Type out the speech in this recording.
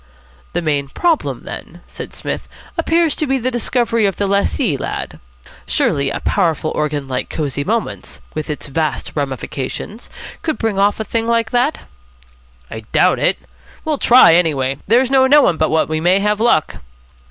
"The main problem, then," said Psmith, "appears to be the discovery of the lessee, lad? Surely a powerful organ like Cosy Moments, with its vast ramifications, could bring off a thing like that?" "I doubt it. We'll try, anyway. There's no knowing but what we may have luck."